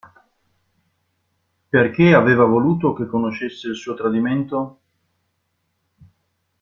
Perché aveva voluto che conoscesse il suo tradimento?